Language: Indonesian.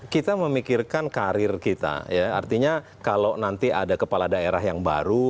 kita memikirkan karir kita ya artinya kalau nanti ada kepala daerah yang baru